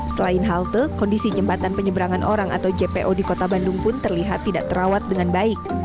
selain halte kondisi jembatan penyeberangan orang atau jpo di kota bandung pun terlihat tidak terawat dengan baik